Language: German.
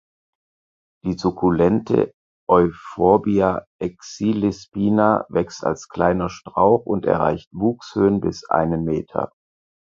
Die sukkulente "Euphorbia exilispina" wächst als kleiner Strauch und erreicht Wuchshöhen bis einen Meter.